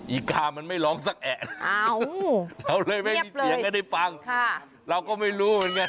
อีกามันไม่ร้องสักแอะเราเลยไม่มีเสียงให้ได้ฟังเราก็ไม่รู้เหมือนกัน